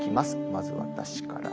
まず私から。